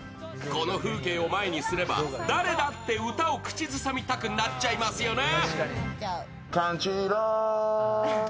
この風景を前にすれば誰だって歌を口ずさみたくなっちゃいますよね。